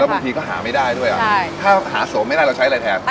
บางทีก็หาไม่ได้ด้วยถ้าหาโสมไม่ได้เราใช้อะไรแทน